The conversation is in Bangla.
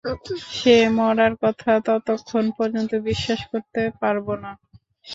সে মরার কথা ততক্ষন পর্যন্ত বিশ্বাস করতে পারবো না।